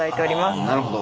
なるほど。